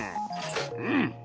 うん。